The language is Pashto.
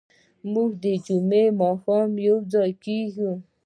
موږ د جمعې ماښام یوځای کېږو.